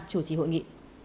chủ trì hội nghị